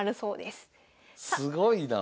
すごいな。